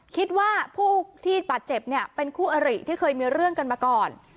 คิดว่าผู้ที่บาดเจ็บเนี่ยเป็นคู่อริที่เคยมีเรื่องกันมาก่อน